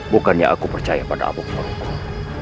bukannya aku percaya pada amuk merugul